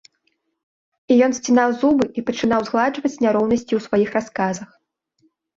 І ён сцінаў зубы і пачынаў згладжваць няроўнасці ў сваіх расказах.